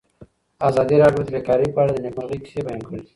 ازادي راډیو د بیکاري په اړه د نېکمرغۍ کیسې بیان کړې.